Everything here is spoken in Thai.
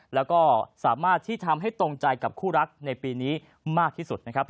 แล้วก็สามารถที่ทำให้ตรงใจกับคู่รักในปีนี้มากที่สุดนะครับ